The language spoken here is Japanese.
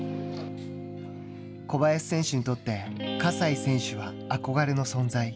小林選手にとって葛西選手は憧れの存在。